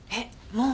もう？